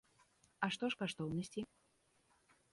А што ж каштоўнасці?